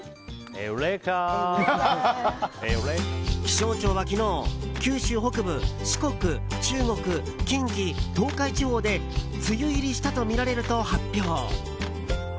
気象庁が昨日、九州北部四国、中国、近畿、東海地方で梅雨入りしたとみられると発表。